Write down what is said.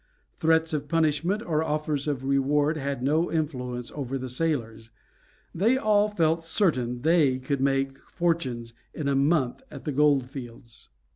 Threats of punishment or offers of reward had no influence over the sailors. They all felt certain they could make fortunes in a month at the gold fields.